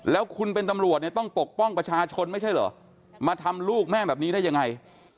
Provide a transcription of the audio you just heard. แล้วคุณเป็นตำรวจเนี่ยต้องปกป้องประชาชนไม่ใช่เหรอมาทำลูกแม่แบบนี้ได้ยังไง